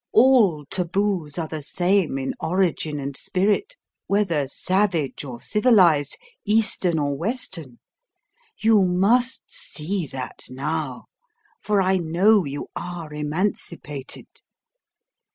All taboos are the same in origin and spirit, whether savage or civilised, eastern or western. You must see that now: for I know you are emancipated.